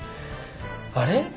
あれ？